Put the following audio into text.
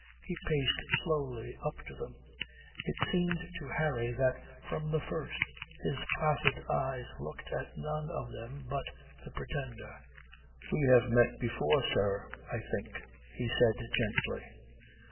He paced slowly up to them. It seemed to Harry that from the first his placid eyes looked at none of them but the Pretender. "We have met before, sir, I think," he said gently.